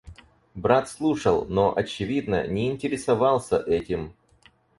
Брат слушал, но, очевидно, не интересовался этим.